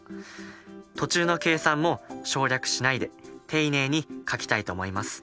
途中の計算も省略しないで丁寧に書きたいと思います。